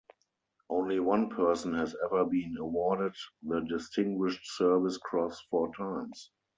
Only one person has ever been awarded the Distinguished Service Cross four times.